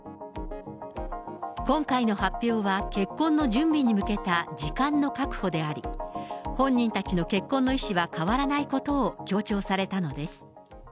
今回の発表は、結婚の準備に向けた時間の確保であり、本人たちの結婚の意志は変わらないことを強調されたのです。